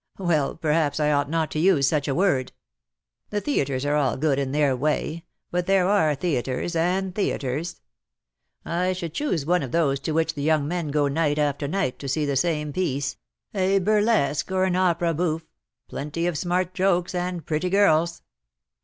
" Well, perhaps I ought not to use such a word. The theatres are all good in their way — but there are theatres and theatres. I should choose one of those to which the young men go night after night to see the same piece — a burlesque, or an opera bouffe — plenty of smart jokes and pretty girls.